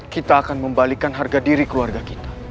kita akan membalikkan harga diri keluarga kita